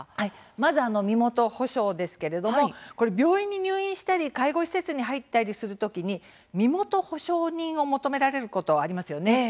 まず身元保証ですけれども病院に入院したり介護施設に入ったりする時に身元保証人を求められることがありますよね。